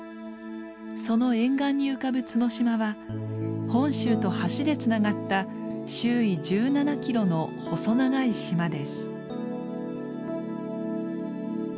その沿岸に浮かぶ角島は本州と橋でつながった周囲１７キロの細長い島です。